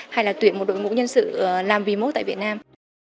hay là tuyển một đội ngũ nhân sự làm remote tại việt nam